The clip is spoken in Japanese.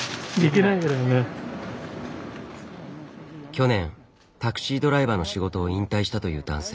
去年タクシードライバーの仕事を引退したという男性。